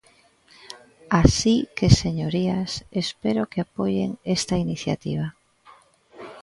Así que, señorías, espero que apoien esta iniciativa.